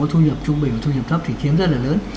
có thu nhập trung bình thu nhập thấp thì chiếm rất là lớn